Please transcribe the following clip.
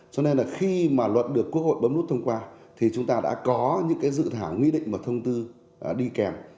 cho nên là khi mà luật được quốc hội bấm nút thông qua thì chúng ta đã có những cái dự thảo nghị định và thông tư đi kèm